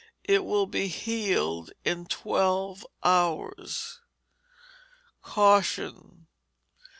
It will be healed in twelve hours. _Caution.